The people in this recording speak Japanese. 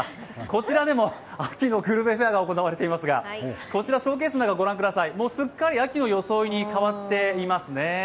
こちらでも秋のグルメフェアが行われていますが、こちら、ショーケースの中、ご覧ください、すっかり秋の装いに変わっていますね。